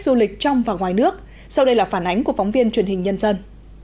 du lịch trong và ngoài nước sau đây là phản ánh của phóng viên truyền hình nhân dân